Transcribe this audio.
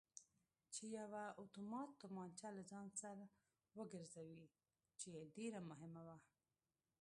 چې یوه اتومات تومانچه له ځان سر وګرځوي چې ډېره مهمه وه.